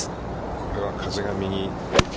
これは風が右。